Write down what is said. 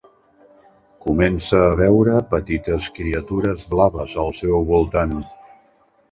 Comença a veure petites criatures blaves al seu voltant.